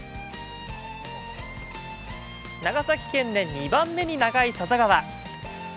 長崎県で２番目に長い佐々川。